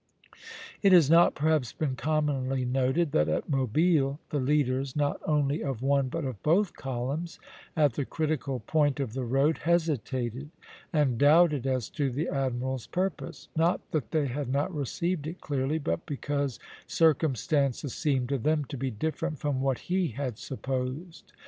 It has not perhaps been commonly noted, that at Mobile the leaders, not only of one but of both columns, at the critical point of the road hesitated and doubted as to the admiral's purpose; not that they had not received it clearly, but because circumstances seemed to them to be different from what he had supposed.